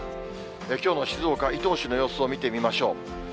きょうの静岡・伊東市の様子を見てみましょう。